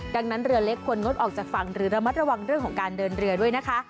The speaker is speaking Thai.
ดังนั้นเรือเล็กควรงดออกจากฝั่งหรือระมัดระวังเรื่องของการเดินเรือด้วยนะคะ